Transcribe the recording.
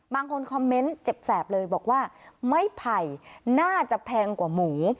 บางคนคอมเมนต์เจ็บแสบเลยบอกว่าไม้ไผ่น่าจะแพงกว่าหมู